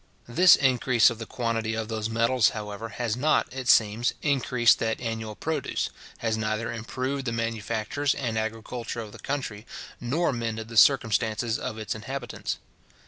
This increase of the quantity of those metals, however, has not, it seems, increased that annual produce, has neither improved the manufactures and agriculture of the country, nor mended the circumstances of its inhabitants.